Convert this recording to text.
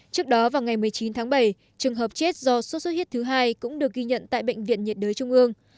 trước đó vào ngày một mươi chín tháng bảy trường hợp chết do sốt xuất huyết thứ hai cũng được ghi nhận tại bệnh viện nhiệt đới trung ương